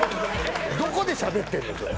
どこでしゃべってるのよ？